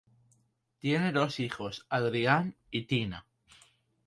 Tiene dos hijos, Adrian y Tina.